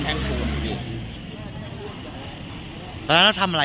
ตกใจมั้ย